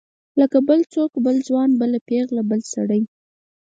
لکه بل څوک بل ځوان بله پیغله بل سړی.